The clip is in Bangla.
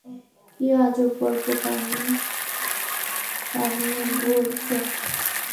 কি আজব গল্প বানিয়ে বলছো?